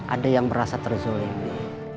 ada yang merasa terzolimi